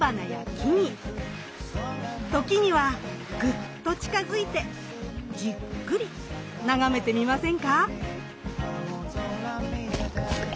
時にはグッと近づいてじっくり眺めてみませんか。